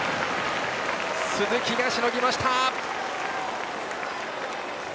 鈴木がしのぎました。